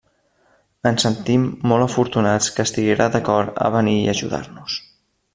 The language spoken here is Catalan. Ens sentim molt afortunats que estiguera d'acord a venir i ajudar-nos.